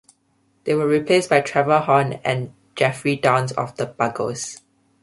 They were replaced by Trevor Horn and Geoffrey Downes of the Buggles.